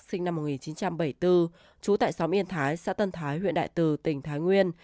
sinh năm một nghìn chín trăm bảy mươi bốn trú tại xóm yên thái xã tân thái huyện đại từ tỉnh thái nguyên